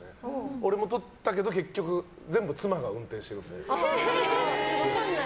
俺も取ったけど、結局全部妻が運転してくれてる。